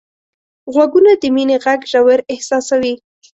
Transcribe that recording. غوږونه د مینې غږ ژور احساسوي